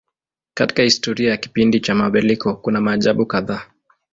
Katika historia ya kipindi cha mabadiliko kuna maajabu kadhaa.